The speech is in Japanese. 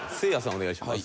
お願いします。